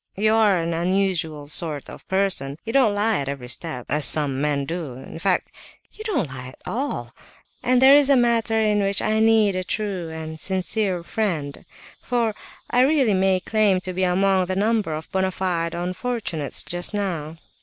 You are an unusual sort of a person; you don't lie at every step, as some men do; in fact, you don't lie at all, and there is a matter in which I need a true and sincere friend, for I really may claim to be among the number of bona fide unfortunates just now."